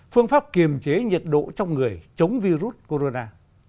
phương pháp kiềm chế nhiệt độ trong người chống virus corona